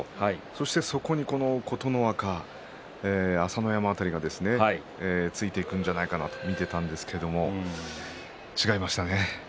そしてそこに琴ノ若朝乃山辺りがついていくんじゃないかと見ていたんですけれど違いましたね。